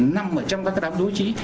nằm ở trong các đám đối trí